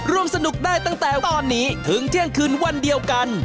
ร่วมสนุกได้ตั้งแต่ตอนนี้ถึงเที่ยงคืนวันเดียวกัน